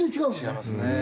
違いますね。